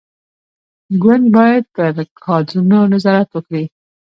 ګوند باید پر کادرونو نظارت وکړي.